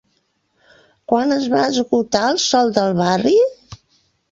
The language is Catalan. Quan es va esgotar el sòl del barri?